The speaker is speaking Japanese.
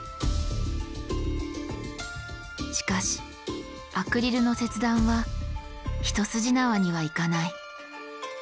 しかしアクリルの切断は一筋縄にはいかない。